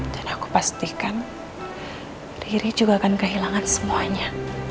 dan aku pastikan riri juga akan kehilangan semuanya